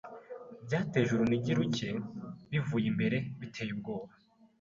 byateje urunigi ruke bivuye imbere biteye ubwoba